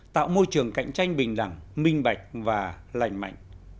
tạo môi trường cạnh tranh bình đẳng minh bạch và lành mạnh